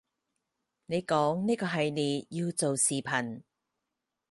你講呢個系列要做視頻